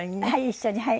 一緒にはい。